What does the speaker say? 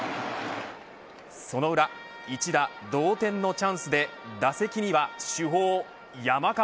その裏、一打同点のチャンスで打席には主砲山川。